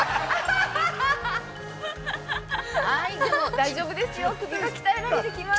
◆大丈夫ですよ、首が鍛えられてきますよ。